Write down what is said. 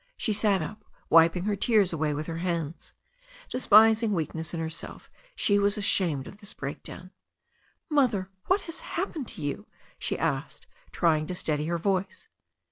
She sat up, wip ing her tears away with her hands. Despising weakness in herself, she was ashamed of this breakdown. "Mother, what has happened to you?" she asked, trying to steady her voice.